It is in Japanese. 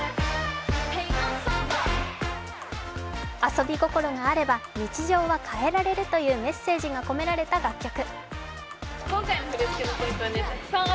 遊び心があれば、日常は変えられるというメッセージが込められた楽曲。